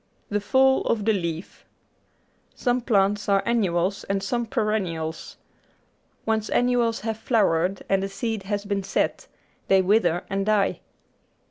The Fall of the Leaf Some plants are annuals and some perennials. Once annuals have flowered and the seed has been set, they wither and die.